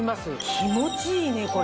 気持ちいいねこれ。